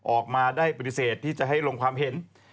ออกมาได้ปฏิเสธที่จะให้ลงความเห็น